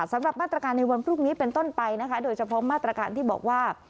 สำหรับมาตรการในวันพรุ่งนี้เป็นต้นไปนะคะโดยเฉพาะมาตรการที่บอกว่า